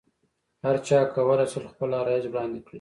هرچا کولای شول خپل عرایض وړاندې کړي.